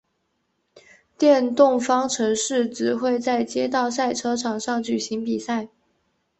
电动方程式只会在街道赛车场上举行比赛。